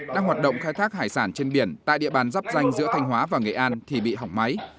đang hoạt động khai thác hải sản trên biển tại địa bàn dắp danh giữa thanh hóa và nghệ an thì bị hỏng máy